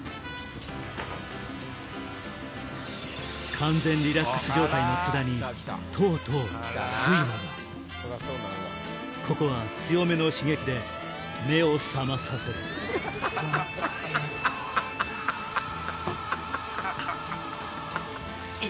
完全リラックス状態の津田にとうとうここは強めの刺激で目を覚まさせるハハハハ！